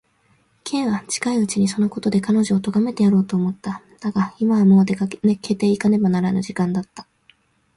Ｋ は近いうちにそのことで彼女をとがめてやろうと思った。だが、今はもう出かけていかねばならぬ時間だった。